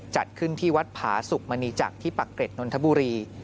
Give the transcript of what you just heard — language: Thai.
จัดขึ้นที่วัดผาสุกมณีจักรที่ปักเกร็ดนนทบุรี